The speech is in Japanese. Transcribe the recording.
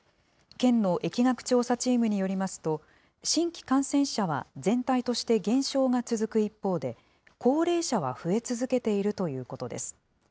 県の疫学調査チームによりますと、新規感染者は全体として減少が続く一方で、高齢者は増え続けているということです。